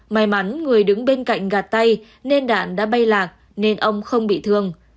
may mắn người đứng bên cạnh gạt tay nên đạn đã bay lạc nên ông không bị thương